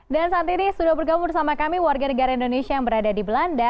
dan saat ini sudah bergabung bersama kami warga negara indonesia yang berada di belanda